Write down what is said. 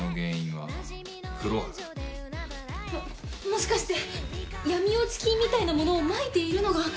もしかして闇落ち菌みたいなものをまいているのが。